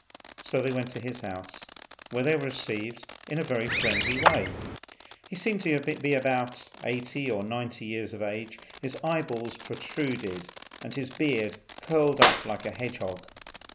So they went to his house, where they were received in a very friendly way. He seemed to be about eighty or ninety years of age; his eye balls protruded, and his beard curled up like a hedge hog.